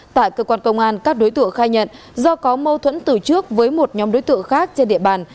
tại cơ quan công an các đối tượng khai nhận do có mâu thuẫn từ trước với một nhóm đối tượng khác trên địa bàn